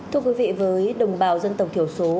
thưa quý vị với đồng bào dân tộc thiểu số